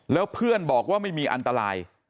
แล้วเพื่อนบอกว่าไม่มีอันตราย